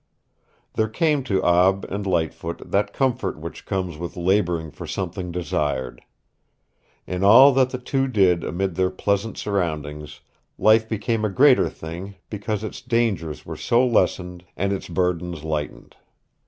There came to Ab and Lightfoot that comfort which comes with laboring for something desired. In all that the two did amid their pleasant surroundings life became a greater thing because its dangers were so lessened and its burdens lightened.